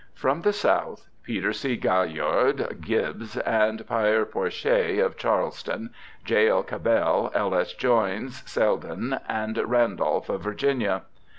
From the South : Peter C. Gaillard, Gibbes, and Peyre Porcher, of Charleston; J. L. Cabell, L. S. Joynes, Selden, and Randolph, of Virginia.